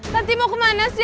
tanti mau kemana sih